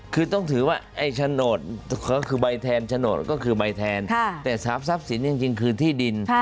คือต้องถือว่าไอ้โฉนดก็คือใบแทนโฉนดก็คือใบแทนแต่ทรัพย์สินจริงคือที่ดิน